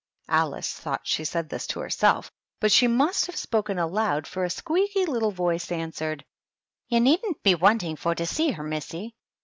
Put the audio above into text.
Alice thought she said this to herself, but she must have spoken aloud, for a squeaky little voice answered, "You needn't be wanting for to see heTy missy."